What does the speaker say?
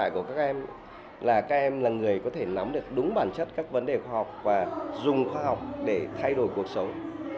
các em là người có thể nắm được đúng bản chất các vấn đề khoa học và dùng khoa học để thay đổi cuộc sống